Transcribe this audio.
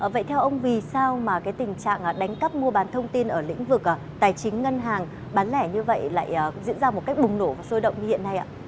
vậy theo ông vì sao mà cái tình trạng đánh cắp mua bán thông tin ở lĩnh vực tài chính ngân hàng bán lẻ như vậy lại diễn ra một cách bùng nổ và sôi động như hiện nay ạ